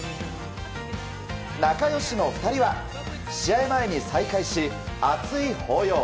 仲良しの２人は試合前に再会し熱い抱擁。